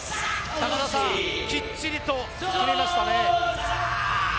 高田さん、きっちり決めましたね。